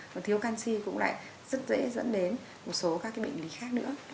và thiếu canxi cũng lại rất dễ dẫn đến một số các bệnh lý khác nữa